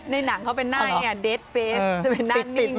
ในหนังเขาเป็นหน้าเด็ดเฟสจะเป็นหน้านี้